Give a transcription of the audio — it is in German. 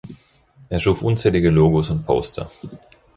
Er schuf unzählige Logos und Poster.